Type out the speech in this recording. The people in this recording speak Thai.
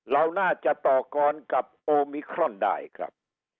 เราน่าจะต่อกรกับโอมิครอนได้ครับ